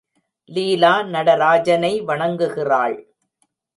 லீலா நடராஜனை வணங்குகிறாள்.